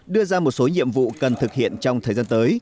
đưa ra một số nhiệm vụ cần thực hiện trong thời gian tới